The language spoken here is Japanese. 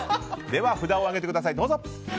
では札を上げてください。